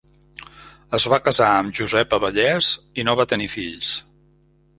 Es va casar amb Josepa Vallès i no va tenir fills.